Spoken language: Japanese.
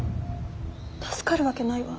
助かるわけないわ。